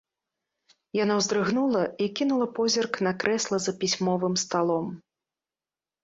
Яна ўздрыгнула і кінула позірк на крэсла за пісьмовым сталом.